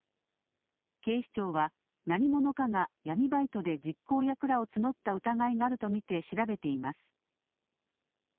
警視庁は何者かが闇バイトで実行役らを募った疑いがあると見て調べています。